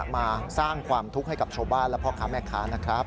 มาสร้างความทุกข์ให้กับชาวบ้านและพ่อค้าแม่ค้านะครับ